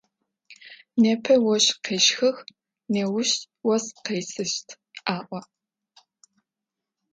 Непэ ощх къещхыгъ, неущ ос къесыщт аӏо.